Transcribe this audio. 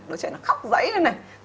nó chạy nó khóc dãy lên này